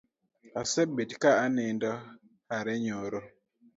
Asebet ka anindo are nyoro